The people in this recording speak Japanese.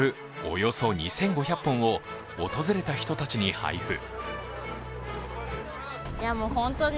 およそ２５００本を訪れた人たちに配布。